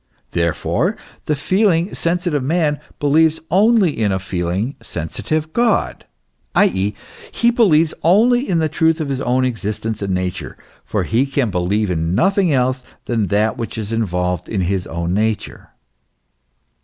There fore, the feeling, sensitive man believes only in a feeling, sensi tive God, i.e., he believes only in the truth of his own existence and nature, for he can believe in nothing else than that which is involved in his own nature.